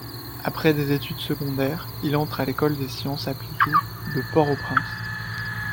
Après des études secondaires il entre à l'École des Sciences Appliquées de Port-au-Prince.